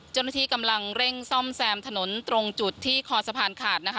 เจ้าหน้าที่กำลังเร่งซ่อมแซมถนนตรงจุดที่คอสะพานขาดนะคะ